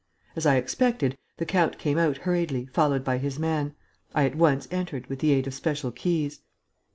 As I expected, the count came out hurriedly, followed by his man. I at once entered, with the aid of special keys."